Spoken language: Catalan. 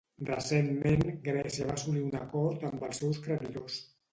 Recentment, Grècia va assolir un acord amb els seus creditors.